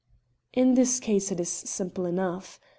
"In this case it is simple enough.